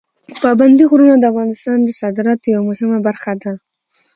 پابندي غرونه د افغانستان د صادراتو یوه مهمه برخه ده.